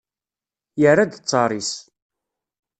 Yerra-d ttar-is.